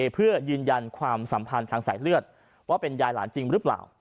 เพื่อยืนยันความสัมพันธ์ทางสายเลือดว่าเป็นยายหลานจริงหรือเปล่า